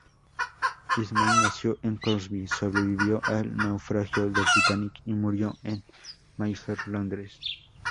Ismay nació en Crosby, sobrevivió al naufragio del "Titanic" y murió en Mayfair, Londres.